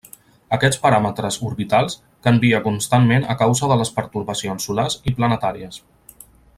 Aquests paràmetres orbitals canvien constantment a causa de les pertorbacions solars i planetàries.